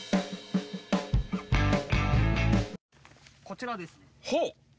こちらです。